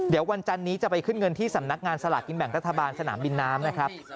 เดี๋ยววันจันนี้จะไปขึ้นเงินที่สำนักงานสลากกินแบ่งรัฐบาลสนามบินน้ำนะครับ